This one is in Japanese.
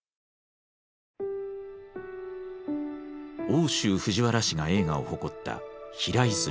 奥州藤原氏が栄華を誇った平泉。